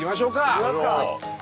行きますか！